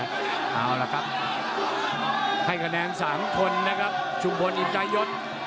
เอาล่ะครับให้คะแนน๓คนนะครับชุมพลอินตายศ